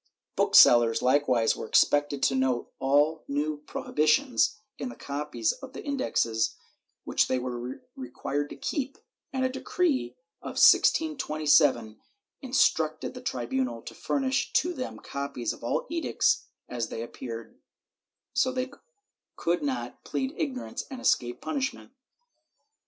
^ Book sellers likewise were expected to note all new prohibitions in the copies of the Indexes which they were required to keep, and a decree of 1627 instructed the tribunal to furnish to them copies of all edicts as they appeared, so that they could not plead ignorance and escape punishment.